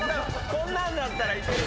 こんなんだったらいける。